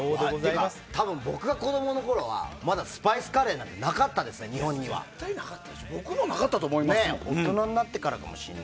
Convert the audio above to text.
多分、僕が子供のころはまだスパイスカレーなんて僕のころもなかったと思います。